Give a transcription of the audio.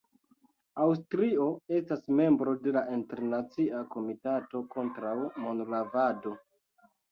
Aŭstrio estas membro de la Internacia Komitato kontraŭ Monlavado.